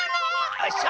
よいしょ！